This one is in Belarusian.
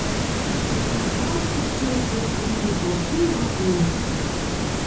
І ціхата распусціла свае крыллі па ўсёй ваколіцы.